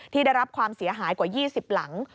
ได้รับความเสียหายกว่า๒๐หลัง